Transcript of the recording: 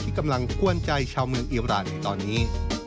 กำลังกวนใจชาวเมืองอิราณในตอนนี้